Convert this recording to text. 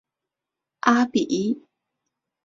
阿比伊。